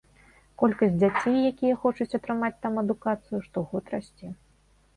Колькасць дзяцей, якія хочуць атрымаць там адукацыю, штогод расце.